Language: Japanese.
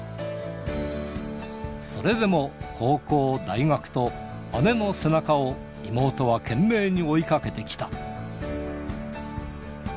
それでも高校、大学と、姉の背中を妹は懸命に追いかけてきた。